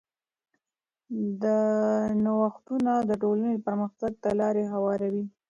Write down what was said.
دا نوښتونه د ټولنې پرمختګ ته لاره هواروي.